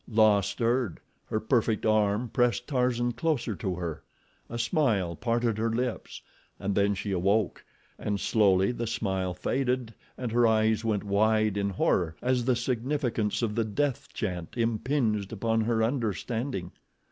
La stirred. Her perfect arm pressed Tarzan closer to her—a smile parted her lips and then she awoke, and slowly the smile faded and her eyes went wide in horror as the significance of the death chant impinged upon her understanding.